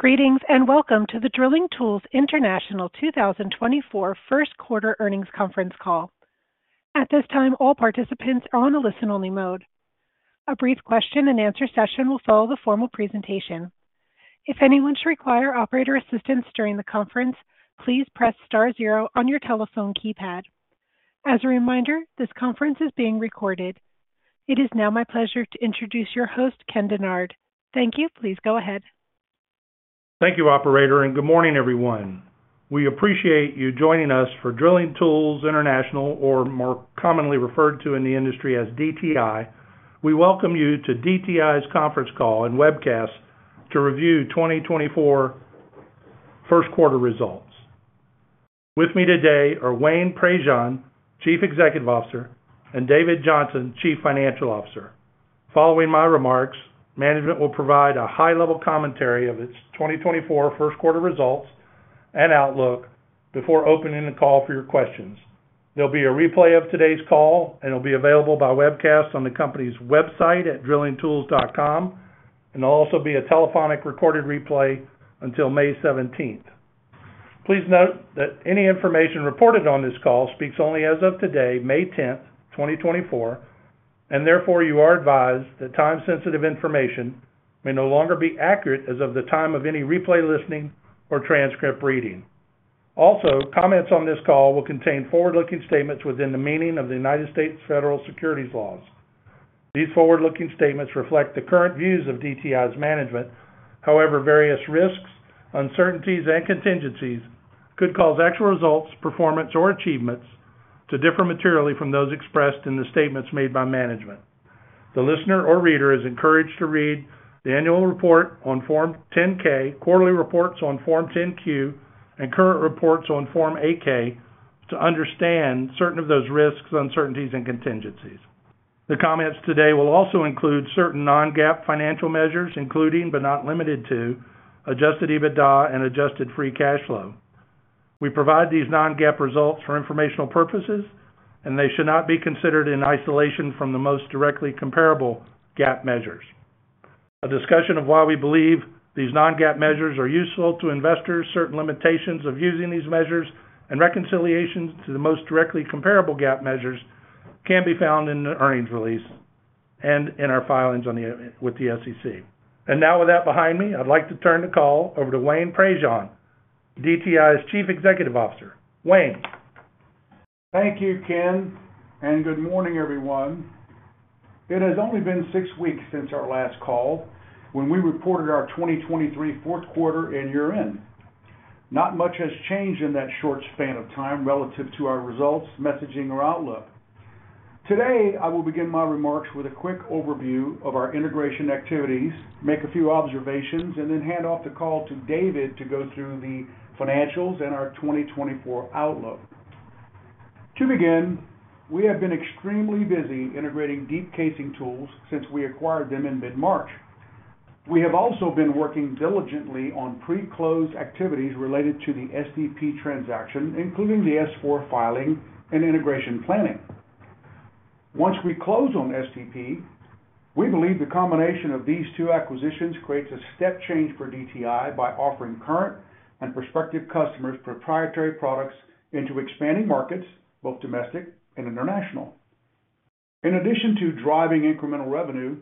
Greetings and welcome to the Drilling Tool International 2024 first quarter earnings conference call. At this time, all participants are on a listen-only mode. A brief question-and-answer session will follow the formal presentation. If anyone should require operator assistance during the conference, please press star zero on your telephone keypad. As a reminder, this conference is being recorded. It is now my pleasure to introduce your host, Ken Dennard. Thank you. Please go ahead. Thank you, operator, and good morning, everyone. We appreciate you joining us for Drilling Tool International, or more commonly referred to in the industry as DTI. We welcome you to DTI's conference call and webcast to review 2024 first quarter results. With me today are Wayne Prejean, Chief Executive Officer, and David Johnson, Chief Financial Officer. Following my remarks, management will provide a high-level commentary of its 2024 first quarter results and outlook before opening the call for your questions. There'll be a replay of today's call, and it'll be available by webcast on the company's website at drillingtools.com, and there'll also be a telephonic recorded replay until May 17th. Please note that any information reported on this call speaks only as of today, May 10th, 2024, and therefore you are advised that time-sensitive information may no longer be accurate as of the time of any replay listening or transcript reading. Also, comments on this call will contain forward-looking statements within the meaning of the United States Federal Securities Laws. These forward-looking statements reflect the current views of DTI's management. However, various risks, uncertainties, and contingencies could cause actual results, performance, or achievements to differ materially from those expressed in the statements made by management. The listener or reader is encouraged to read the annual report on Form 10-K, quarterly reports on Form 10-Q, and current reports on Form 8-K to understand certain of those risks, uncertainties, and contingencies. The comments today will also include certain non-GAAP financial measures, including but not limited to adjusted EBITDA and adjusted free cash flow. We provide these non-GAAP results for informational purposes, and they should not be considered in isolation from the most directly comparable GAAP measures. A discussion of why we believe these non-GAAP measures are useful to investors, certain limitations of using these measures, and reconciliations to the most directly comparable GAAP measures can be found in the earnings release and in our filings with the SEC. Now with that behind me, I'd like to turn the call over to Wayne Prejean, DTI's Chief Executive Officer. Wayne. Thank you, Ken, and good morning, everyone. It has only been six weeks since our last call when we reported our 2023 fourth quarter and year-end. Not much has changed in that short span of time relative to our results, messaging, or outlook. Today, I will begin my remarks with a quick overview of our integration activities, make a few observations, and then hand off the call to David to go through the financials and our 2024 outlook. To begin, we have been extremely busy integrating Deep Casing Tools since we acquired them in mid-March. We have also been working diligently on pre-closed activities related to the SDP transaction, including the S-4 filing and integration planning. Once we close on SDP, we believe the combination of these two acquisitions creates a step change for DTI by offering current and prospective customers' proprietary products into expanding markets, both domestic and international. In addition to driving incremental revenue,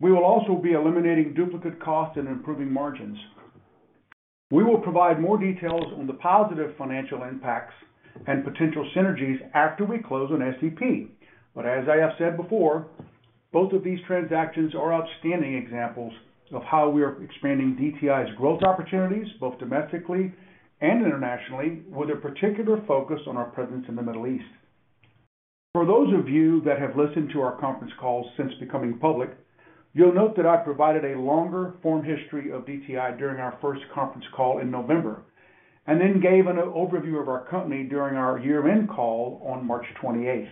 we will also be eliminating duplicate costs and improving margins. We will provide more details on the positive financial impacts and potential synergies after we close on SDP, but as I have said before, both of these transactions are outstanding examples of how we are expanding DTI's growth opportunities, both domestically and internationally, with a particular focus on our presence in the Middle East. For those of you that have listened to our conference calls since becoming public, you'll note that I provided a longer form history of DTI during our first conference call in November and then gave an overview of our company during our year-end call on March 28th.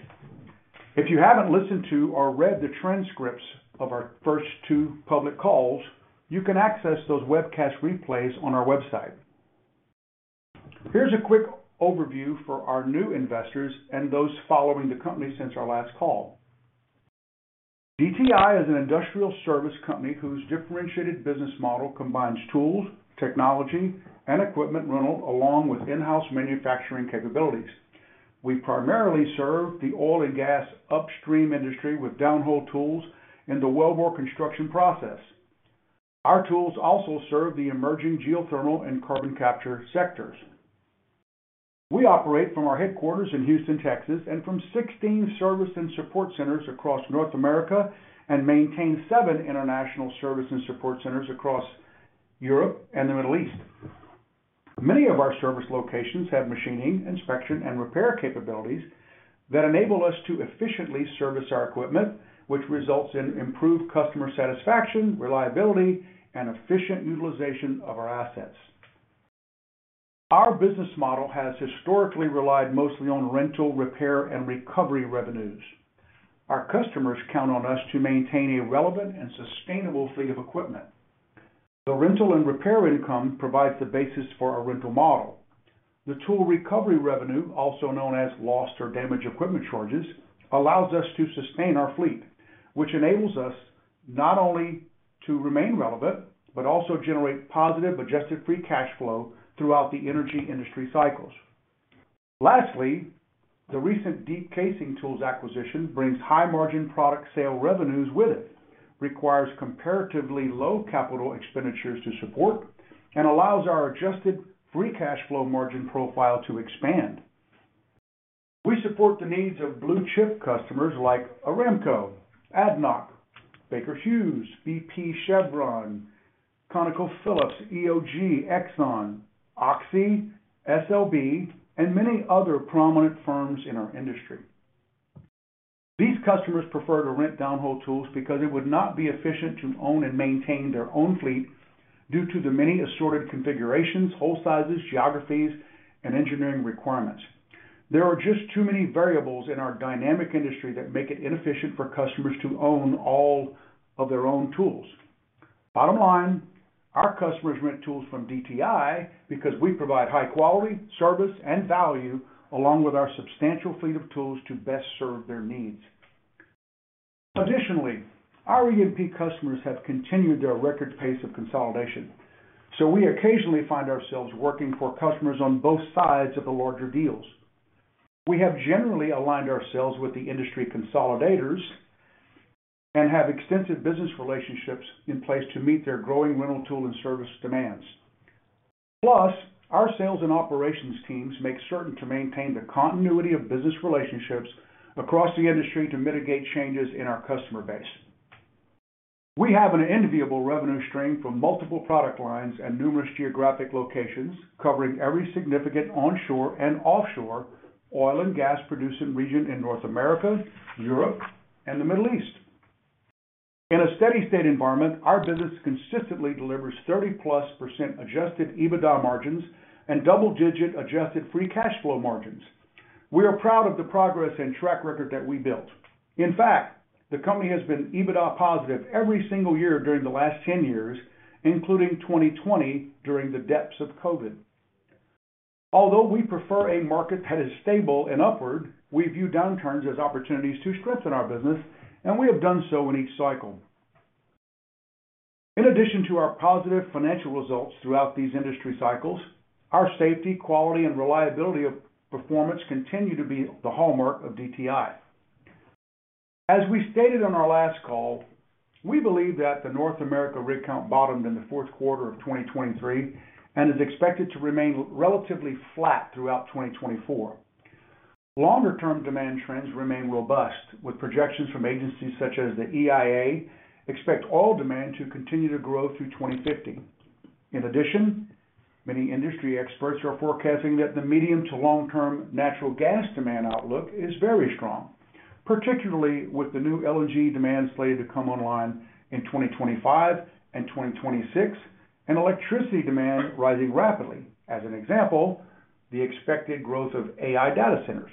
If you haven't listened to or read the transcripts of our first two public calls, you can access those webcast replays on our website. Here's a quick overview for our new investors and those following the company since our last call. DTI is an industrial service company whose differentiated business model combines tools, technology, and equipment rental along with in-house manufacturing capabilities. We primarily serve the oil and gas upstream industry with downhole tools in the wellbore construction process. Our tools also serve the emerging geothermal and carbon capture sectors. We operate from our headquarters in Houston, Texas, and from 16 service and support centers across North America and maintain 7 international service and support centers across Europe and the Middle East. Many of our service locations have machining, inspection, and repair capabilities that enable us to efficiently service our equipment, which results in improved customer satisfaction, reliability, and efficient utilization of our assets. Our business model has historically relied mostly on rental, repair, and recovery revenues. Our customers count on us to maintain a relevant and sustainable fleet of equipment. The rental and repair income provides the basis for our rental model. The tool recovery revenue, also known as lost or damaged equipment charges, allows us to sustain our fleet, which enables us not only to remain relevant but also generate positive adjusted free cash flow throughout the energy industry cycles. Lastly, the recent Deep Casing Tools acquisition brings high-margin product sale revenues with it, requires comparatively low capital expenditures to support, and allows our adjusted free cash flow margin profile to expand. We support the needs of blue-chip customers like Aramco, ADNOC, Baker Hughes, BP, Chevron, ConocoPhillips, EOG, Exxon, Oxy, SLB, and many other prominent firms in our industry. These customers prefer to rent downhole tools because it would not be efficient to own and maintain their own fleet due to the many assorted configurations, hole sizes, geographies, and engineering requirements. There are just too many variables in our dynamic industry that make it inefficient for customers to own all of their own tools. Bottom line, our customers rent tools from DTI because we provide high quality, service, and value along with our substantial fleet of tools to best serve their needs. Additionally, our E&P customers have continued their record pace of consolidation, so we occasionally find ourselves working for customers on both sides of the larger deals. We have generally aligned ourselves with the industry consolidators and have extensive business relationships in place to meet their growing rental tool and service demands. Plus, our sales and operations teams make certain to maintain the continuity of business relationships across the industry to mitigate changes in our customer base. We have an enviable revenue stream from multiple product lines and numerous geographic locations, covering every significant onshore and offshore oil and gas producing region in North America, Europe, and the Middle East. In a steady-state environment, our business consistently delivers 30+% Adjusted EBITDA margins and double-digit adjusted free cash flow margins. We are proud of the progress and track record that we built. In fact, the company has been EBITDA positive every single year during the last 10 years, including 2020 during the depths of COVID. Although we prefer a market that is stable and upward, we view downturns as opportunities to strengthen our business, and we have done so in each cycle. In addition to our positive financial results throughout these industry cycles, our safety, quality, and reliability of performance continue to be the hallmark of DTI. As we stated on our last call, we believe that the North America rig count bottomed in the fourth quarter of 2023 and is expected to remain relatively flat throughout 2024. Longer-term demand trends remain robust, with projections from agencies such as the EIA expect oil demand to continue to grow through 2050. In addition, many industry experts are forecasting that the medium to long-term natural gas demand outlook is very strong, particularly with the new LNG demand slated to come online in 2025 and 2026 and electricity demand rising rapidly. As an example, the expected growth of AI data centers.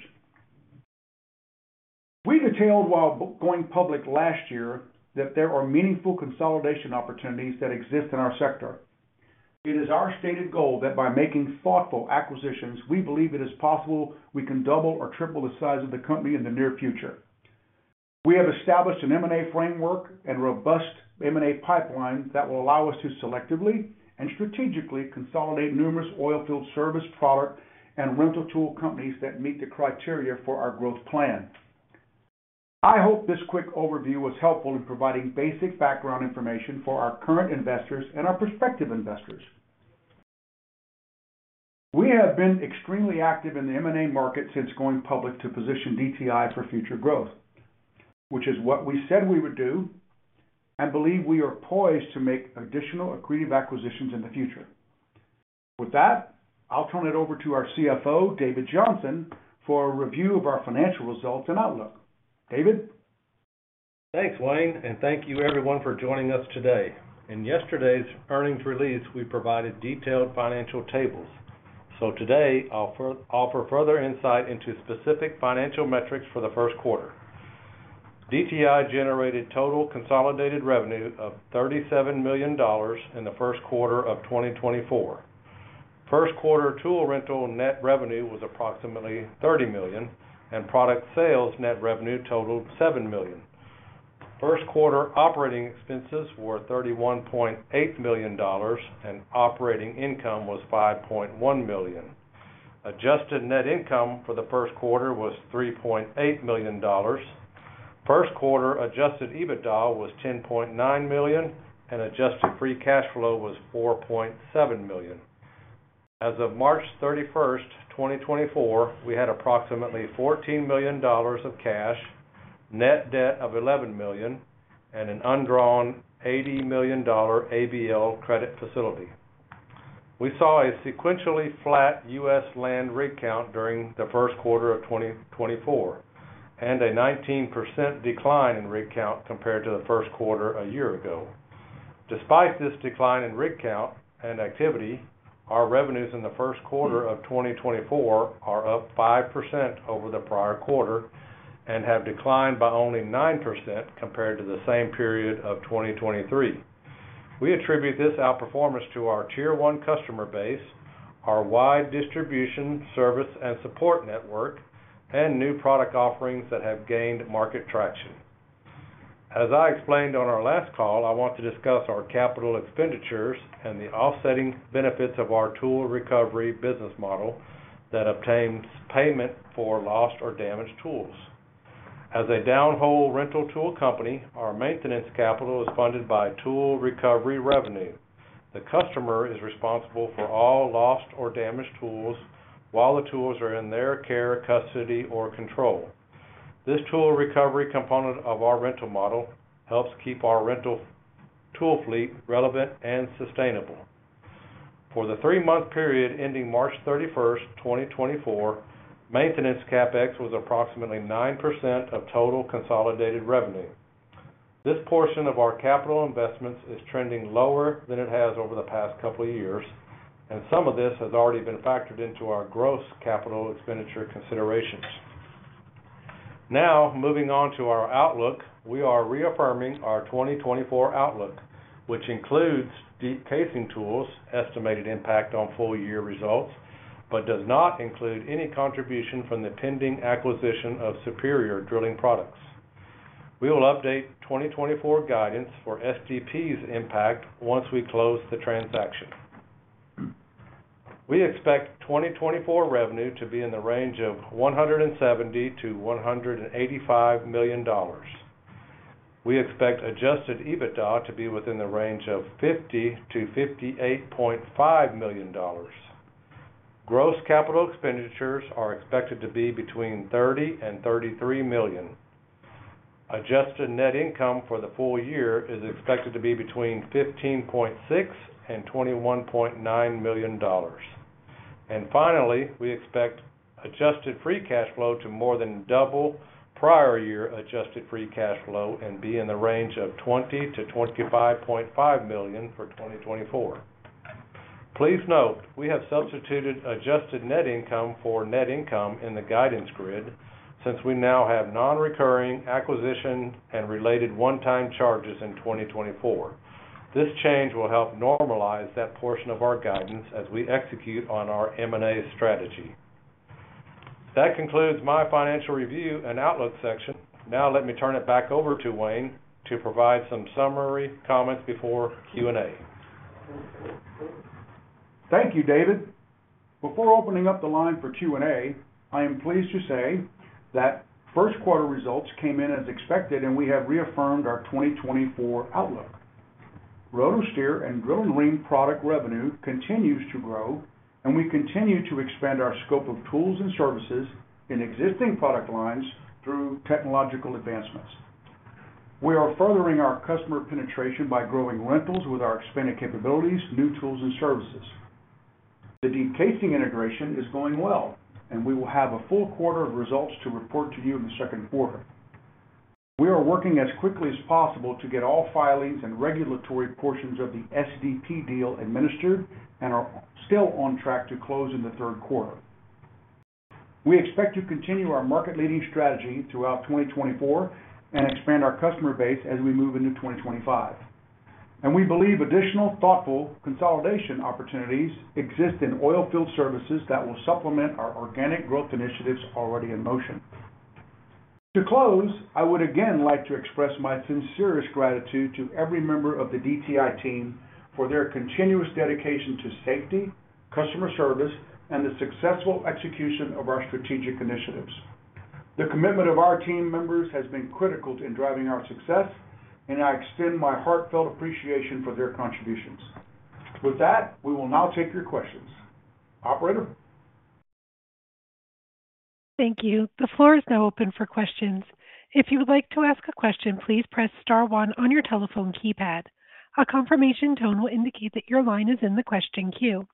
We detailed while going public last year that there are meaningful consolidation opportunities that exist in our sector. It is our stated goal that by making thoughtful acquisitions, we believe it is possible we can double or triple the size of the company in the near future. We have established an M&A framework and robust M&A pipeline that will allow us to selectively and strategically consolidate numerous oilfield service product and rental tool companies that meet the criteria for our growth plan. I hope this quick overview was helpful in providing basic background information for our current investors and our prospective investors. We have been extremely active in the M&A market since going public to position DTI for future growth, which is what we said we would do and believe we are poised to make additional accretive acquisitions in the future. With that, I'll turn it over to our CFO, David Johnson, for a review of our financial results and outlook. David. Thanks, Wayne, and thank you, everyone, for joining us today. In yesterday's earnings release, we provided detailed financial tables, so today I'll offer further insight into specific financial metrics for the first quarter. DTI generated total consolidated revenue of $37 million in the first quarter of 2024. First quarter tool rental net revenue was approximately $30 million, and product sales net revenue totaled $7 million. First quarter operating expenses were $31.8 million, and operating income was $5.1 million. Adjusted net income for the first quarter was $3.8 million. First quarter adjusted EBITDA was $10.9 million, and adjusted free cash flow was $4.7 million. As of March 31st, 2024, we had approximately $14 million of cash, net debt of $11 million, and an undrawn $80 million ABL credit facility. We saw a sequentially flat U.S. land rig count during the first quarter of 2024 and a 19% decline in rig count compared to the first quarter a year ago. Despite this decline in rig count and activity, our revenues in the first quarter of 2024 are up 5% over the prior quarter and have declined by only 9% compared to the same period of 2023. We attribute this outperformance to our tier-one customer base, our wide distribution, service, and support network, and new product offerings that have gained market traction. As I explained on our last call, I want to discuss our capital expenditures and the offsetting benefits of our tool recovery business model that obtains payment for lost or damaged tools. As a downhole rental tool company, our maintenance capital is funded by tool recovery revenue. The customer is responsible for all lost or damaged tools while the tools are in their care, custody, or control. This tool recovery component of our rental model helps keep our rental tool fleet relevant and sustainable. For the three-month period ending March 31st, 2024, maintenance CapEx was approximately 9% of total consolidated revenue. This portion of our capital investments is trending lower than it has over the past couple of years, and some of this has already been factored into our gross capital expenditure considerations. Now, moving on to our outlook, we are reaffirming our 2024 outlook, which includes Deep Casing Tools' estimated impact on full-year results but does not include any contribution from the pending acquisition of Superior Drilling Products. We will update 2024 guidance for SDP's impact once we close the transaction. We expect 2024 revenue to be in the range of $170-$185 million. We expect Adjusted EBITDA to be within the range of $50-$58.5 million. Gross capital expenditures are expected to be between $30-$33 million. Adjusted net income for the full year is expected to be between $15.6-$21.9 million. And finally, we expect adjusted free cash flow to more than double prior-year adjusted free cash flow and be in the range of $20-$25.5 million for 2024. Please note, we have substituted adjusted net income for net income in the guidance grid since we now have non-recurring acquisition and related one-time charges in 2024. This change will help normalize that portion of our guidance as we execute on our M&A strategy. That concludes my financial review and outlook section. Now, let me turn it back over to Wayne to provide some summary comments before Q&A. Thank you, David. Before opening up the line for Q&A, I am pleased to say that first-quarter results came in as expected, and we have reaffirmed our 2024 outlook. RotoSteer and Drill-N-Ream product revenue continues to grow, and we continue to expand our scope of tools and services in existing product lines through technological advancements. We are furthering our customer penetration by growing rentals with our expanded capabilities, new tools, and services. The Deep Casing integration is going well, and we will have a full quarter of results to report to you in the second quarter. We are working as quickly as possible to get all filings and regulatory portions of the SDP deal administered and are still on track to close in the third quarter. We expect to continue our market-leading strategy throughout 2024 and expand our customer base as we move into 2025. We believe additional thoughtful consolidation opportunities exist in oilfield services that will supplement our organic growth initiatives already in motion. To close, I would again like to express my sincerest gratitude to every member of the DTI team for their continuous dedication to safety, customer service, and the successful execution of our strategic initiatives. The commitment of our team members has been critical to driving our success, and I extend my heartfelt appreciation for their contributions. With that, we will now take your questions. Operator. Thank you. The floor is now open for questions. If you would like to ask a question, please press star one on your telephone keypad. A confirmation tone will indicate that your line is in the question queue.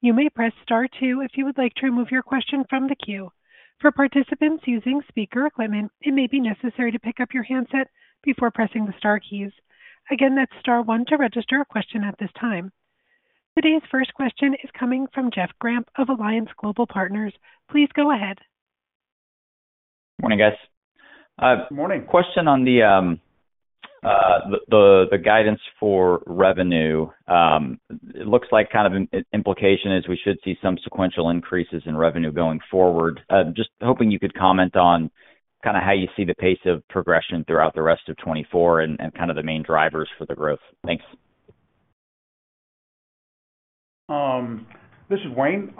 You may press star two if you would like to remove your question from the queue. For participants using speaker equipment, it may be necessary to pick up your handset before pressing the star keys. Again, that's star one to register a question at this time. Today's first question is coming from Jeff Grampp of Alliance Global Partners. Please go ahead. Morning, guys. Good morning. Question on the guidance for revenue. It looks like kind of implication is we should see some sequential increases in revenue going forward. Just hoping you could comment on kind of how you see the pace of progression throughout the rest of 2024 and kind of the main drivers for the growth. Thanks. This is Wayne.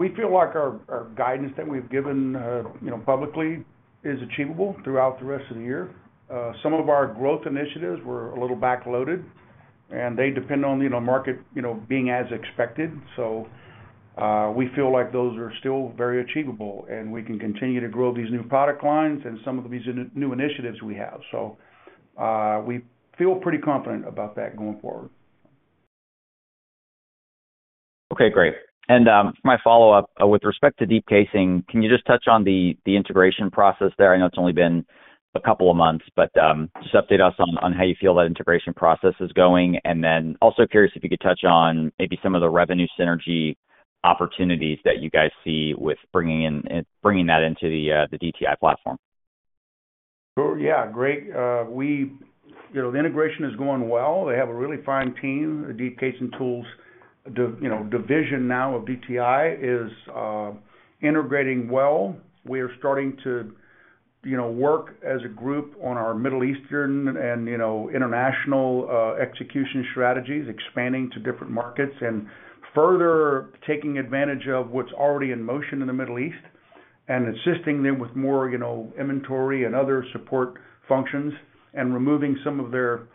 We feel like our guidance that we've given publicly is achievable throughout the rest of the year. Some of our growth initiatives were a little backloaded, and they depend on market being as expected. So we feel like those are still very achievable, and we can continue to grow these new product lines and some of these new initiatives we have. So we feel pretty confident about that going forward. Okay, great. And for my follow-up with respect to Deep Casing, can you just touch on the integration process there? I know it's only been a couple of months, but just update us on how you feel that integration process is going. And then also curious if you could touch on maybe some of the revenue synergy opportunities that you guys see with bringing that into the DTI platform. Sure. Yeah, great. The integration is going well. They have a really fine team. The Deep Casing Tools division now of DTI is integrating well. We are starting to work as a group on our Middle Eastern and international execution strategies, expanding to different markets and further taking advantage of what's already in motion in the Middle East and assisting them with more inventory and other support functions and removing some of their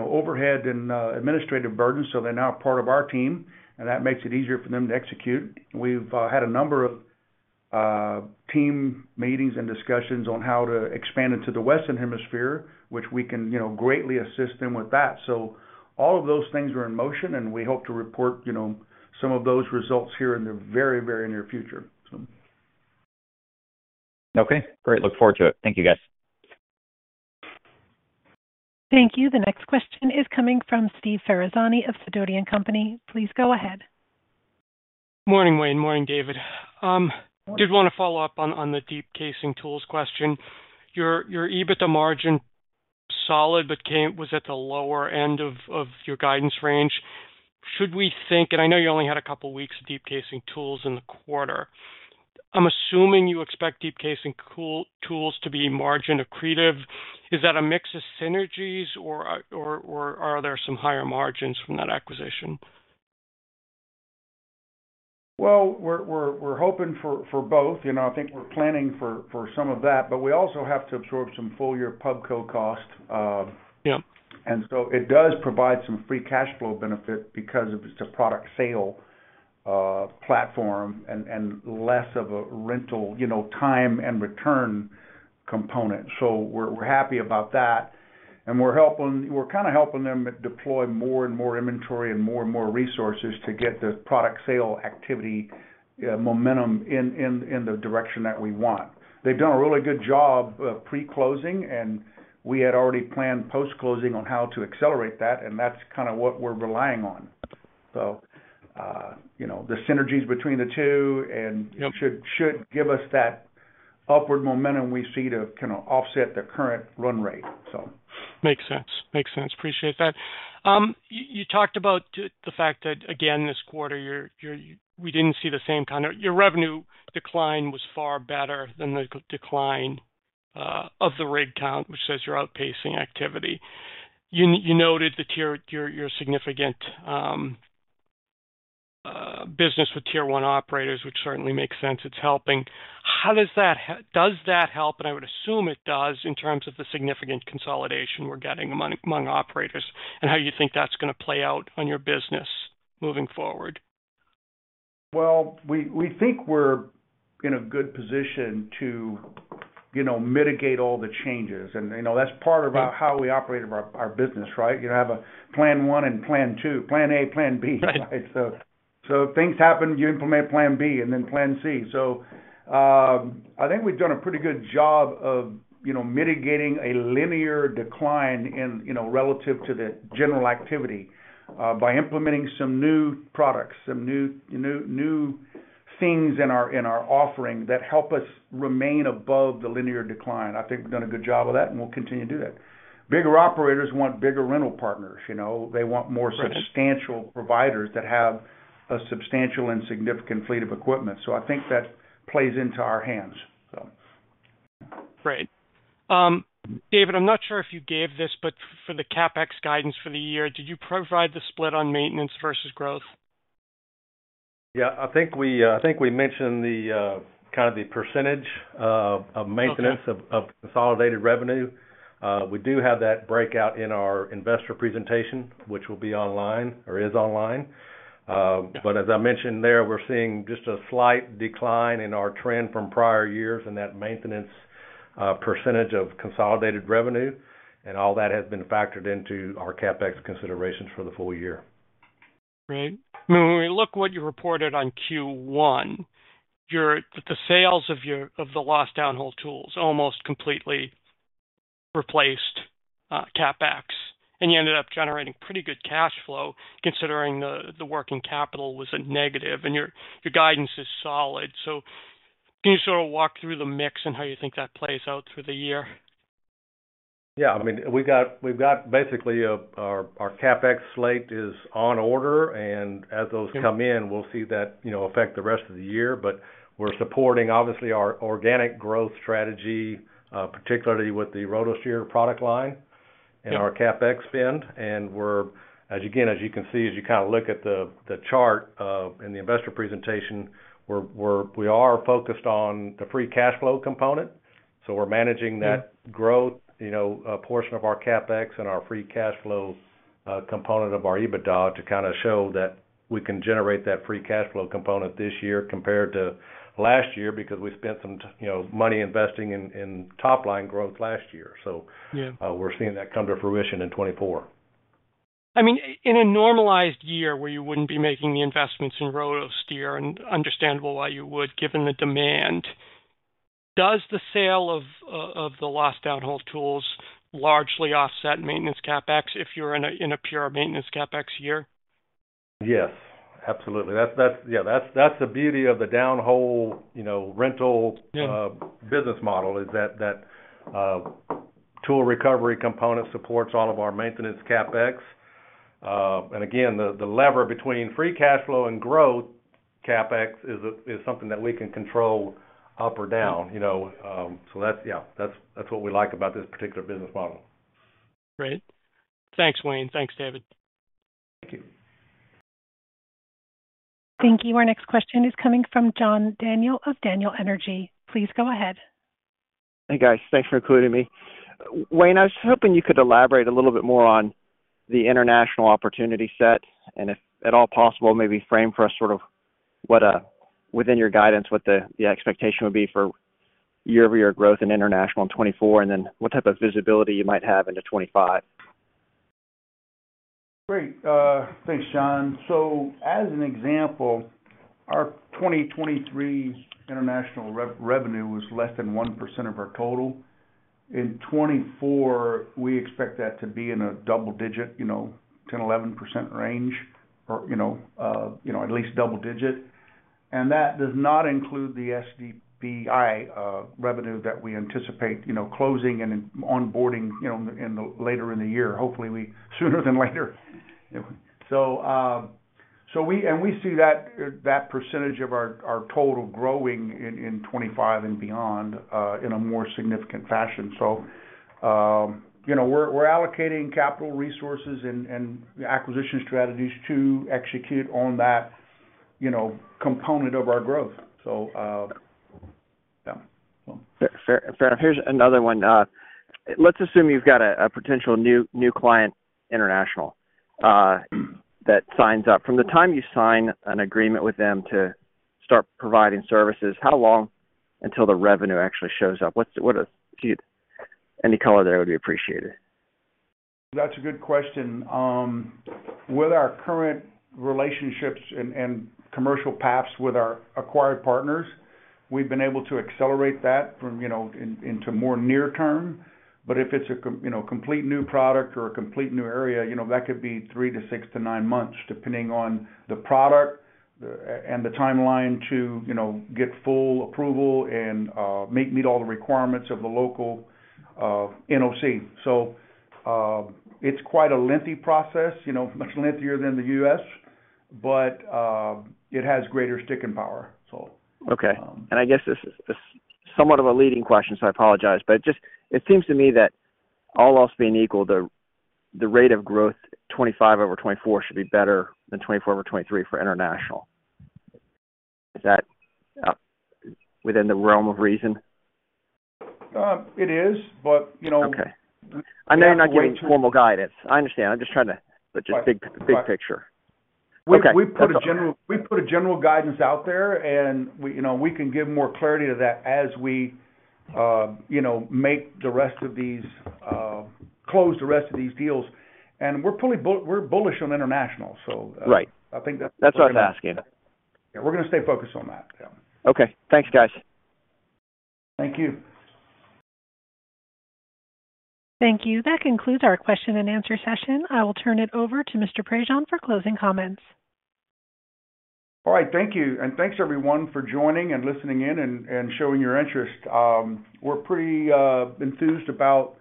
overhead and administrative burdens so they're now part of our team, and that makes it easier for them to execute. We've had a number of team meetings and discussions on how to expand into the Western Hemisphere, which we can greatly assist them with that. So all of those things are in motion, and we hope to report some of those results here in the very, very near future, so. Okay, great. Look forward to it. Thank you, guys. Thank you. The next question is coming from Steve Ferazani of Sidoti & Company. Please go ahead. Morning, Wayne. Morning, David. I did want to follow up on the Deep Casing Tools question. Your EBITDA margin, solid, but was at the lower end of your guidance range. Should we think, and I know you only had a couple of weeks of Deep Casing Tools in the quarter. I'm assuming you expect Deep Casing Tools to be margin accretive. Is that a mix of synergies, or are there some higher margins from that acquisition? Well, we're hoping for both. I think we're planning for some of that, but we also have to absorb some full-year PubCo cost. And so it does provide some free cash flow benefit because it's a product sale platform and less of a rental time and return component. So we're happy about that. And we're kind of helping them deploy more and more inventory and more and more resources to get the product sale activity momentum in the direction that we want. They've done a really good job pre-closing, and we had already planned post-closing on how to accelerate that, and that's kind of what we're relying on. So the synergies between the two should give us that upward momentum we see to kind of offset the current run rate, so. Makes sense. Makes sense. Appreciate that. You talked about the fact that, again, this quarter, we didn't see the same kind of your revenue decline was far better than the decline of the rig count, which says you're outpacing activity. You noted your significant business with tier-one operators, which certainly makes sense. It's helping. Does that help? I would assume it does in terms of the significant consolidation we're getting among operators and how you think that's going to play out on your business moving forward. Well, we think we're in a good position to mitigate all the changes. And that's part of how we operate our business, right? Have a plan one and plan two, plan A, plan B. So if things happen, you implement plan B and then plan C. So I think we've done a pretty good job of mitigating a linear decline relative to the general activity by implementing some new products, some new things in our offering that help us remain above the linear decline. I think we've done a good job of that, and we'll continue to do that. Bigger operators want bigger rental partners. They want more substantial providers that have a substantial and significant fleet of equipment. So I think that plays into our hands, so. Great. David, I'm not sure if you gave this, but for the CapEx guidance for the year, did you provide the split on maintenance versus growth? Yeah, I think we mentioned kind of the percentage of maintenance of consolidated revenue. We do have that breakout in our investor presentation, which will be online or is online. But as I mentioned there, we're seeing just a slight decline in our trend from prior years in that maintenance percentage of consolidated revenue, and all that has been factored into our CapEx considerations for the full year. Great. When we look at what you reported on Q1, the sales of the lost downhole tools almost completely replaced CapEx, and you ended up generating pretty good cash flow considering the working capital was a negative, and your guidance is solid. So can you sort of walk through the mix and how you think that plays out through the year? Yeah, I mean, we've got basically our CapEx slate is on order, and as those come in, we'll see that affect the rest of the year. But we're supporting, obviously, our organic growth strategy, particularly with the RotoSteer product line and our CapEx spend. And again, as you can see, as you kind of look at the chart in the investor presentation, we are focused on the free cash flow component. So we're managing that growth portion of our CapEx and our free cash flow component of our EBITDA to kind of show that we can generate that free cash flow component this year compared to last year because we spent some money investing in top-line growth last year. So we're seeing that come to fruition in 2024. I mean, in a normalized year where you wouldn't be making the investments in RotoSteer, and understandable why you would given the demand, does the sale of the lost downhole tools largely offset maintenance CapEx if you're in a pure maintenance CapEx year? Yes, absolutely. Yeah, that's the beauty of the downhole rental business model is that tool recovery component supports all of our maintenance CapEx. And again, the lever between free cash flow and growth CapEx is something that we can control up or down. So yeah, that's what we like about this particular business model. Great. Thanks, Wayne. Thanks, David. Thank you. Thank you. Our next question is coming from John Daniel of Daniel Energy Partners. Please go ahead. Hey, guys. Thanks for including me. Wayne, I was hoping you could elaborate a little bit more on the international opportunity set and, if at all possible, maybe frame for us sort of within your guidance, what the expectation would be for year-over-year growth in international in 2024 and then what type of visibility you might have into 2025. Great. Thanks, John. So as an example, our 2023 international revenue was less than 1% of our total. In 2024, we expect that to be in a double-digit, 10%-11% range, or at least double-digit. And that does not include the SDPI revenue that we anticipate closing and onboarding later in the year. Hopefully, sooner than later. And we see that percentage of our total growing in 2025 and beyond in a more significant fashion. So we're allocating capital resources and acquisition strategies to execute on that component of our growth. So yeah, so. Fair enough. Here's another one. Let's assume you've got a potential new client, international, that signs up. From the time you sign an agreement with them to start providing services, how long until the revenue actually shows up? Any color there would be appreciated. That's a good question. With our current relationships and commercial paths with our acquired partners, we've been able to accelerate that into more near term. But if it's a complete new product or a complete new area, that could be 3 to 6 to 9 months depending on the product and the timeline to get full approval and meet all the requirements of the local NOC. So it's quite a lengthy process, much lengthier than the U.S., but it has greater sticking power, so. Okay. And I guess this is somewhat of a leading question, so I apologize. But it seems to me that all else being equal, the rate of growth 2025 over 2024 should be better than 2024 over 2023 for international. Is that within the realm of reason? It is, but we're not getting. Okay. I know you're not getting formal guidance. I understand. I'm just trying to. But just big picture. Okay. We put a general guidance out there, and we can give more clarity to that as we make the rest of these close the deals. We're bullish on international, so I think that's what we're doing. Right. That's what I was asking. Yeah, we're going to stay focused on that. Yeah. Okay. Thanks, guys. Thank you. Thank you. That concludes our question and answer session. I will turn it over to Mr. Prejean for closing comments. All right. Thank you. Thanks, everyone, for joining and listening in and showing your interest. We're pretty enthused about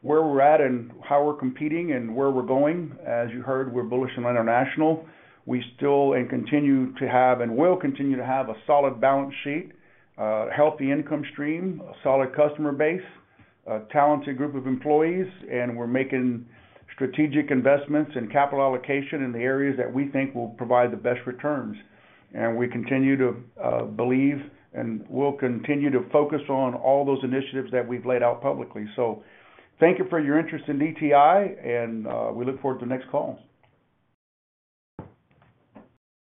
where we're at and how we're competing and where we're going. As you heard, we're bullish on international. We still and continue to have and will continue to have a solid balance sheet, a healthy income stream, a solid customer base, a talented group of employees, and we're making strategic investments and capital allocation in the areas that we think will provide the best returns. We continue to believe and will continue to focus on all those initiatives that we've laid out publicly. Thank you for your interest in DTI, and we look forward to the next call.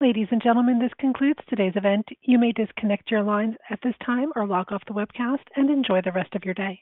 Ladies and gentlemen, this concludes today's event. You may disconnect your lines at this time or lock off the webcast and enjoy the rest of your day.